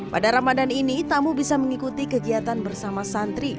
pada ramadan ini tamu bisa mengikuti kegiatan bersama santri